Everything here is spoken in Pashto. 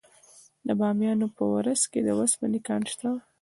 د بامیان په ورس کې د وسپنې کان شته.